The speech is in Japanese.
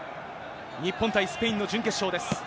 日本対スペインの準決勝です。